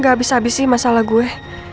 gak abis abis sih masalah gue